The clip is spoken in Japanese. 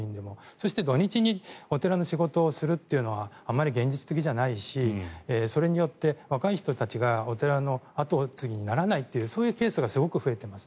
そして、土日にお寺の仕事をするというのはあまり現実的じゃないしそれによって若い人たちがお寺の後継ぎにならないというそういうケースがすごく増えてます。